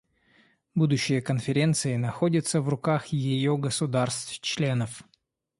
Будущее Конференции находится в руках ее государств-членов.